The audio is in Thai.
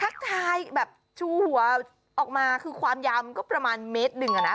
ทักทายแบบชูหัวออกมาคือความยาวมันก็ประมาณเมตรหนึ่งอะนะ